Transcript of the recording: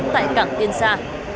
tại cảng tiên sa